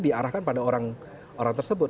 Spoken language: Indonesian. diarahkan pada orang tersebut